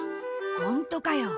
ホントかよ。